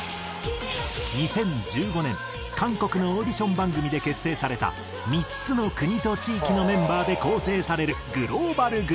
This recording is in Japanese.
２０１５年韓国のオーディション番組で結成された３つの国と地域のメンバーで構成されるグローバルグループ。